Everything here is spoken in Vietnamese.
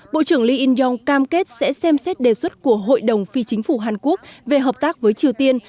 bộ trưởng lee in yong cam kết sẽ xem xét đề xuất của hội đồng phi chính phủ hàn quốc về hợp tác với triều tiên